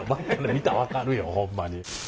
見たら分かるよホンマに。